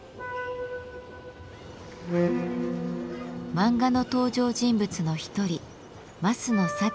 漫画の登場人物の一人増野幸子さん。